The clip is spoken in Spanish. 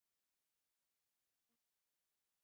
Esta feria no ha tenido interrupciones de ningún tipo.